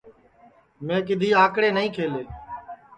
میں کِدھی اکڑے نائی کھیلے